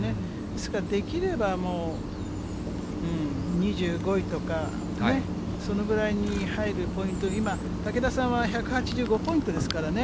ですから、できればもう、２５位とかね、そのぐらいに入るポイント、今、竹田さんは１８５ポイントですからね。